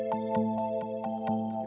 insya allah sholat di sini